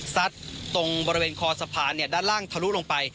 ตรงบริเวณคอสะพานด้านล่างทะลุลงไป